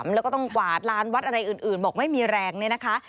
แล้วก็ต้องกวาดลานวัดอะไรอื่นบอกไม่มีแรงเนี่ยนะคะ